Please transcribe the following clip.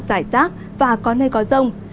giải rác và có nơi có rông